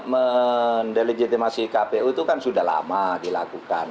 kalau tidak mendilegitimasi kpu itu kan sudah lama dilakukan